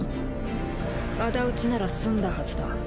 仇討ちなら済んだはずだ。